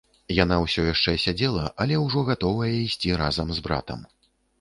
Яна ўсё яшчэ сядзела, але ўжо гатовая ісці разам з братам.